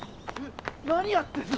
何やってんの？